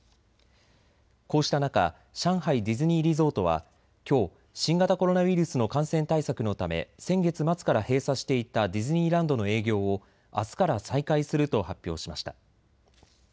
こうした中、上海ディズニーリゾートはきょう新型コロナウイルスの感染対策のため、先月末から閉鎖していたディズニーランドの営業をあすから再開すると発表しました。